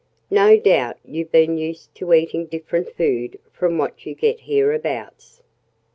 "No doubt you've been used to eating different food from what you get hereabouts."